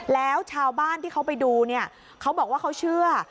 แล้วชาวบ้านที่เขาไปดูเนี่ยเขาบอกว่าเขาเชื่อ